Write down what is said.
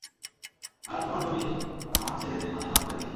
আর তোমার জমি আমার ছেলেদের মাঝে ভাগ করে দিয়েছি।